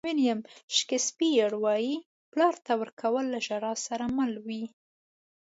ویلیام شکسپیر وایي پلار ته ورکول له ژړا سره مل وي.